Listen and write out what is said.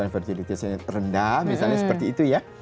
fertilisasi rendah misalnya seperti itu ya